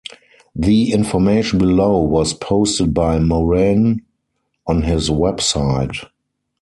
The information below was posted by Moran on his website.